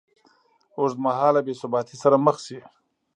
ه اوږدمهاله بېثباتۍ سره مخ شي